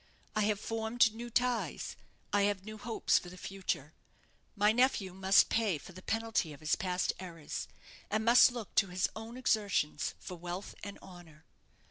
I have formed new ties; I have new hopes for the future. My nephew must pay the penalty of his past errors, and must look to his own exertions for wealth and honour.